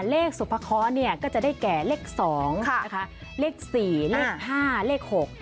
เลขสุพระเคาะเนี่ยก็จะได้แก่เลข๒เลข๔เลข๕เลข๖